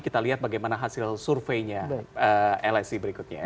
kita lihat bagaimana hasil surveinya lsi berikutnya